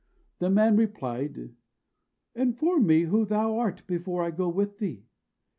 The young man replied, "Inform me who thou art before I go with thee."